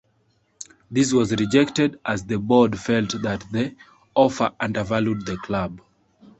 This was rejected, as the board felt that the offer undervalued the club.